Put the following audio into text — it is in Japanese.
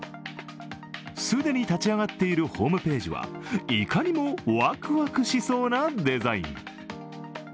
既に立ち上がっているホームページはいかにもワクワクしそうなデザイン。